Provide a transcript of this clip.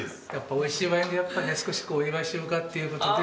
おいしいワインでやっぱね少しお祝いしようかっていう事で。